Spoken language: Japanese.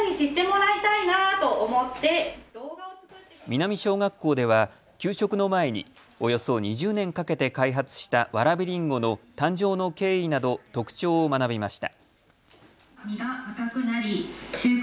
南小学校では給食の前におよそ２０年かけて開発したわらびりんごの誕生の経緯などの特徴を学びました。